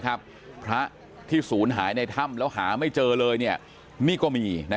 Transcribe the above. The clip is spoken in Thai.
ครับพระที่ศูนย์หายในท่ำแล้วหาไม่เจอเลยเนี่ยมีนะ